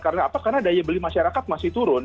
karena apa karena daya beli masyarakat masih turun